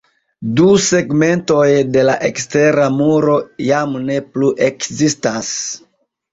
Du segmentoj de la ekstera muro jam ne plu ekzistas.